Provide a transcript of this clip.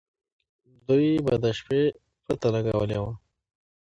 دوی د شپې پته لګولې وه.